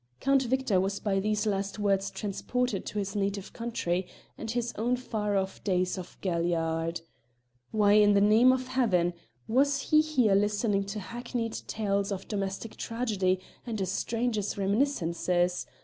Count Victor was by these last words transported to his native city, and his own far off days of galliard. Why, in the name of Heaven! was he here listening to hackneyed tales of domestic tragedy and a stranger's reminiscences?